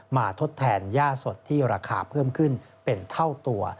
ทดแทนย่าสดที่ราคาเพิ่มขึ้นเป็นเท่าตัว